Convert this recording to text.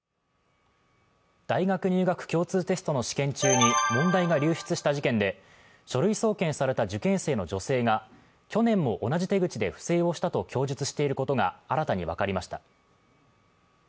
大学入学共通テストの試験中に問題が流出した事件で、書類送検された受験生の女性が去年も同じ手口で不正をしたと供述していることが新たに分かりました。